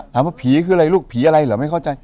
ถามว่าผีคืออะไรลูกผีอะไรเหรอไม่เข้าใจ